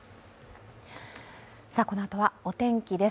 このあとはお天気です。